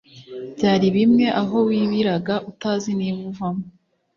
byari bimwe aho wibiraga utazi niba uvamo